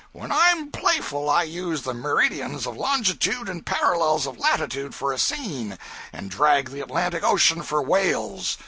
When I'm playful I use the meridians of longitude and parallels of latitude for a seine, and drag the Atlantic Ocean for whales!